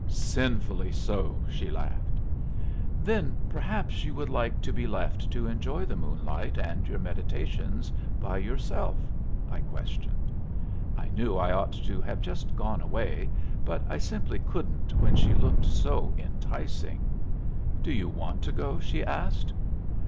"Sinfully so," she laughed. "Then perhaps you would like to be left to enjoy the moonlight and your meditations by yourself?" I questioned. I knew I ought to have just gone away, but I simply couldn't when she looked so enticing. "Do you want to go?" she asked.